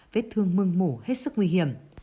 vết thương mưng mủ hết sức nguy hiểm